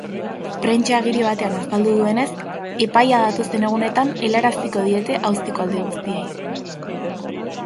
Prentsa-agiri batean azaldu duenez, epaia datozen egunetan helaraziko diete auziko alde guztiei.